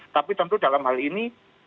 tapi tentu dalam hal ini